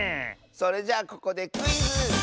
それじゃここでクイズ！